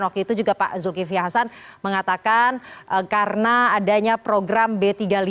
waktu itu juga pak zulkifli hasan mengatakan karena adanya program b tiga puluh lima